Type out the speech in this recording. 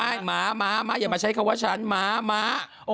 ม้าม้าม้าอย่ามาใช้คำว่าฉันม้าม้า